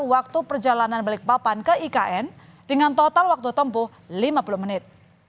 waktu perjalanan balikpapan ke ikn dengan total waktu tempuh lima puluh menit